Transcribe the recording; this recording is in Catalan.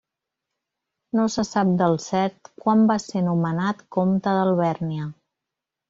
No se sap del cert quan va ser nomenat comte d'Alvèrnia.